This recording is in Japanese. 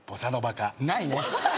ないね。